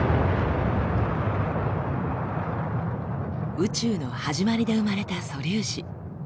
宇宙の始まりで生まれた素粒子。